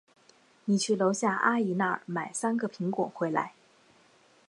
你去楼下阿姨那儿买三个苹果回来。